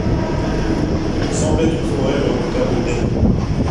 Semblait d’une forêt le redoutable dais…